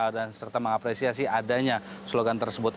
dan serta mengapresiasi adanya slogan tersebut